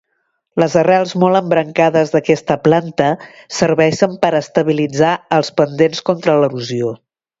Les arrels molt embrancades d'aquesta planta serveixen per estabilitzar els pendents contra l'erosió-